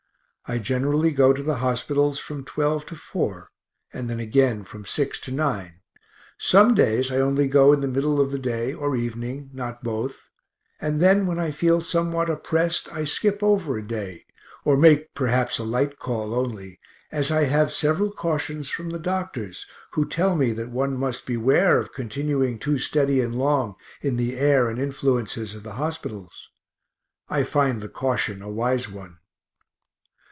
I generally go to the hospitals from 12 to 4 and then again from 6 to 9; some days I only go in the middle of the day or evening, not both and then when I feel somewhat opprest, I skip over a day, or make perhaps a light call only, as I have several cautions from the doctors, who tell me that one must beware of continuing too steady and long in the air and influences of the hospitals. I find the caution a wise one.